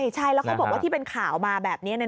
ใช่แล้วเขาบอกว่าที่เป็นข่าวมาแบบนี้